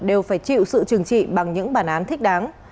đều phải chịu sự trừng trị bằng những bản án thích đáng